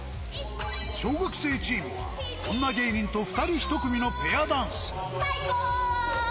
小学生チームは、女芸人と２人１組のペアダンス。